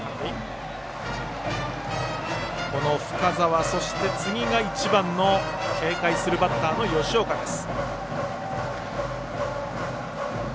この深沢、そして次が１番の警戒するバッターの吉岡です。